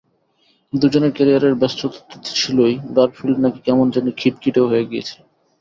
দুজনের ক্যারিয়ারের ব্যস্ততা তো ছিলই, গারফিল্ড নাকি কেমন জানি খিটখিটেও হয়ে গিয়েছিলেন।